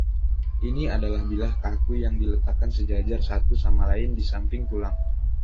Ini adalah bilah kaku yang diletakkan sejajar satu sama lain di samping tulang.